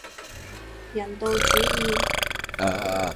人道主義